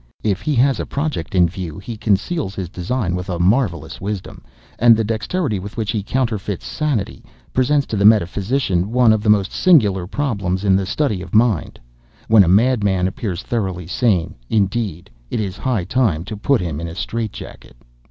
If he has a project in view, he conceals his design with a marvellous wisdom; and the dexterity with which he counterfeits sanity, presents, to the metaphysician, one of the most singular problems in the study of mind. When a madman appears thoroughly sane, indeed, it is high time to put him in a straitjacket."